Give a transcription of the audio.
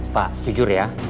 pak jujur ya